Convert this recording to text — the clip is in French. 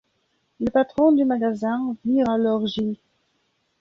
Le patron du magasin vire alors Gil.